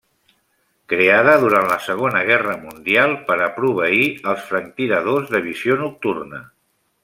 Creada durant la Segona Guerra Mundial per a proveir als franctiradors de visió nocturna.